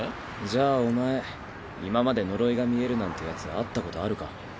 じゃあお前今まで呪いが見えるなんてヤツ会ったことあるか？